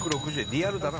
リアルだな！